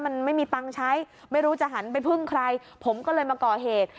มันไม่มีตังค์ใช้ไม่รู้จะหันไปพึ่งใครผมก็เลยมาก่อเหตุ